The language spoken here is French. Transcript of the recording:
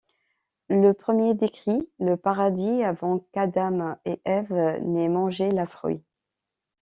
Le premier décrit le Paradis avant qu'Adam et Ève n'aient mangé la fruit.